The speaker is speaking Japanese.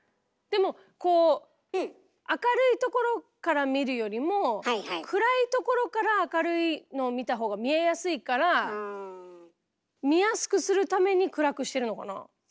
でもこう明るいところから見るよりも暗いところから明るいのを見た方が見えやすいから見やすくするために暗くしてるのかな。